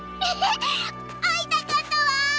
あいたかったわ！